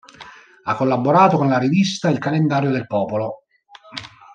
Ha collaborato con la rivista "Il Calendario del Popolo".